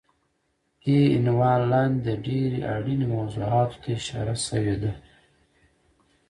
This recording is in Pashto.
دې عنوان لاندې د ډېرې اړینې موضوعاتو ته اشاره شوی دی